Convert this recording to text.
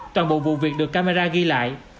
toàn bộ vụ việc được camera ghi lại